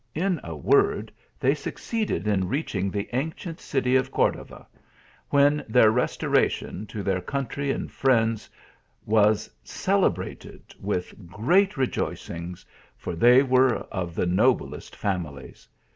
In a word, they succeeded in reaching the ancient city of Cordova ; when their restoration to their country and friends was celebrated with great rejoicings, for they were of the noblest families.